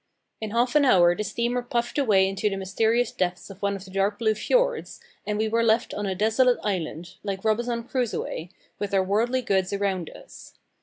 In half an hour the steamer puffed away into the mysterious depths of one of the dark blue fjords, and we were left on a desolate island, like Robinson Crusoe, with our worldly goods around us.